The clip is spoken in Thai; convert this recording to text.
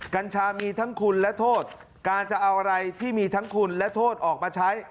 กัญชามีทั้งคุณและโทษการจะเอาอะไรที่มีทั้งคุณและโทษออกมาใช้